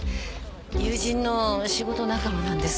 友人の仕事仲間なんです。